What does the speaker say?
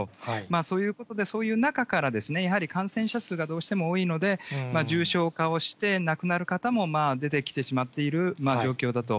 そういうことで、そういう中からやはり感染者数がどうしても多いので、重症化をして、亡くなる方も出てきてしまっている状況だと。